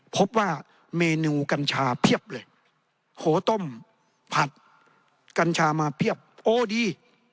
พบว่าเมนูกัญชาเพียบเลยโหต้มผัดกัญชามาเพียบโอ้ดี